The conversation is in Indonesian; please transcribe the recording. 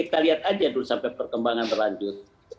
kita lihat aja dulu sampai perkembangan berlanjut